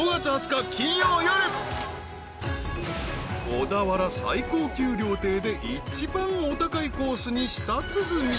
［小田原最高級料亭で一番お高いコースに舌鼓］